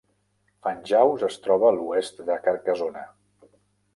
Fanjaus es troba a l'oest de Carcassona.